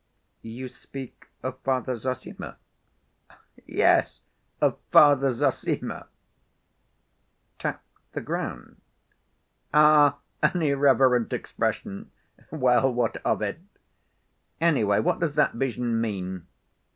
"You speak of Father Zossima?" "Yes, of Father Zossima." "Tapped the ground?" "Ah, an irreverent expression! Well, what of it? Anyway, what does that vision mean?"